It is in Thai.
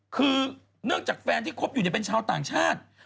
คือเนื่องจากแฟนที่คบอยู่เป็นชาวต่างชาติ